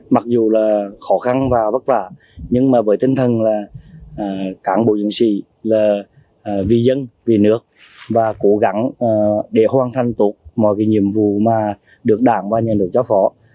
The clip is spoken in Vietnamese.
mặc dù là khó khăn và vất vả nhưng mà với tinh thần là cán bộ diễn sĩ là vì dân vì nước và cố gắng để hoàn thành tốt mọi cái nhiệm vụ mà được đảng và nhà nước giao phó